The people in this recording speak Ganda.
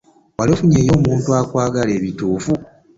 Wali ofunyeeyo omuntu akwagala ebituufu?